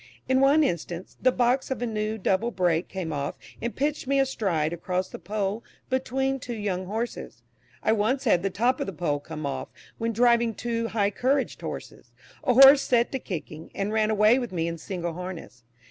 In one instance, the box of a new double break came off and pitched me astride across the pole between two young horses; I once had the top of the pole come off when driving two high couraged horses; a horse set to kicking, and ran away with me in single harness.